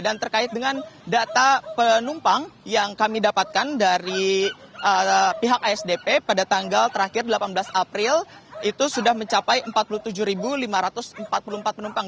terkait dengan data penumpang yang kami dapatkan dari pihak asdp pada tanggal terakhir delapan belas april itu sudah mencapai empat puluh tujuh lima ratus empat puluh empat penumpang